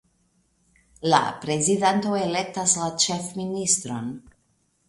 La prezidanto elektas la ĉefministron.